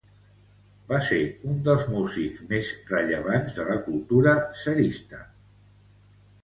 Va ser un dels músics més rellevants de la cultura tsarista.